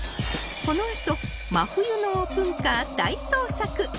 このあと真冬のオープンカー大捜索！